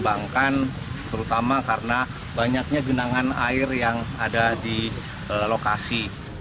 kembangkan terutama karena banyaknya genangan air yang ada di lokasi